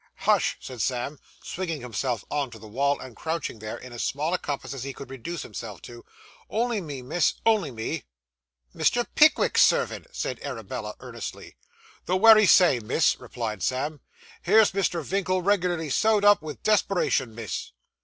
'Hush,' said Sam, swinging himself on to the wall, and crouching there in as small a compass as he could reduce himself to, 'only me, miss, only me.' 'Mr. Pickwick's servant!' said Arabella earnestly. 'The wery same, miss,' replied Sam. 'Here's Mr. Vinkle reg'larly sewed up vith desperation, miss.